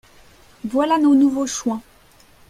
Voilà nos nouveaux Chouans